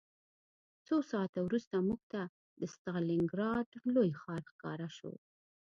څو ساعته وروسته موږ ته د ستالینګراډ لوی ښار ښکاره شو